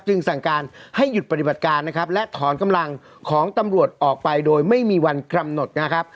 สั่งการให้หยุดปฏิบัติการนะครับและถอนกำลังของตำรวจออกไปโดยไม่มีวันกำหนดนะครับ